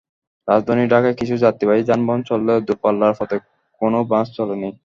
রাজধানী ঢাকায় কিছু যাত্রীবাহী যানবাহন চললেও দূরপাল্লার পথে কোনো বাস চলেনি।